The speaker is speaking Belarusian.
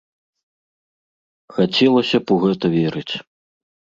Хацелася б у гэта верыць.